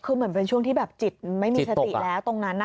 คือเหมือนเป็นช่วงที่แบบจิตไม่มีสติแล้วตรงนั้น